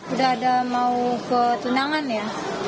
udah ada mau ke tunangan ya